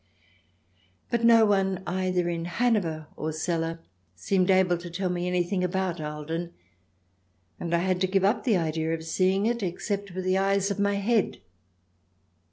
But no one, either in Hanover or Celle, seemed able to tell me anything about Ahlden, and I had to give up the idea of seeing it, except with the eyes of my head.